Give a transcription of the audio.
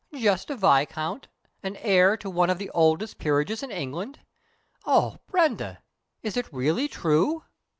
"Just a viscount and heir to one of the oldest peerages in England! Oh, Brenda, is it really true?"